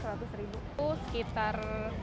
aku sekitar dua ratus tiga ratus